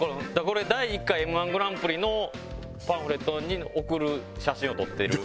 これ第１回Ｍ−１グランプリのパンフレットに送る写真を撮ってる。